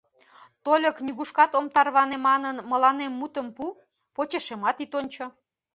Тольык нигушкат ом тарване манын, мыланем мутым пу, почешемат ит ончо.